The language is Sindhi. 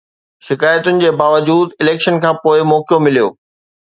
شڪايتن جي باوجود اليڪشن کان پوءِ موقعو مليو.